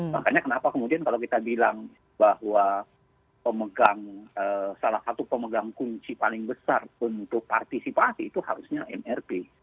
makanya kenapa kemudian kalau kita bilang bahwa salah satu pemegang kunci paling besar untuk partisipasi itu harusnya mrp